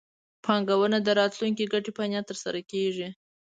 پانګونه د راتلونکي ګټې په نیت ترسره کېږي.